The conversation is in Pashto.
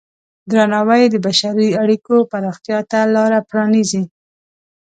درناوی د بشري اړیکو پراختیا ته لاره پرانیزي.